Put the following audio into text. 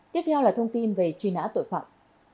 tiếp theo là thông tin về truy nã tội phạm